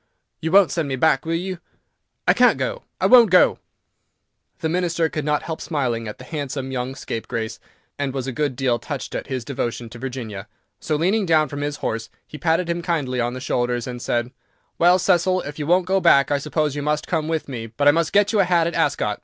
You won't send me back, will you? I can't go! I won't go!" [Illustration: "HE HEARD SOMEBODY GALLOPING AFTER HIM"] The Minister could not help smiling at the handsome young scapegrace, and was a good deal touched at his devotion to Virginia, so leaning down from his horse, he patted him kindly on the shoulders, and said, "Well, Cecil, if you won't go back, I suppose you must come with me, but I must get you a hat at Ascot."